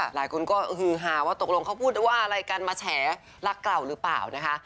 หลายคนก็ฮือหาว่าตกลงเขาพูดหรือว่าอะไรกันมาแฉรักเก่าหรือเปล่านะคะ